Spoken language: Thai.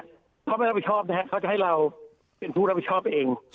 เค้าจะไม่รับผิดชอบนะครับเค้าจะให้เราเป็นผู้รับผิดชอบเอง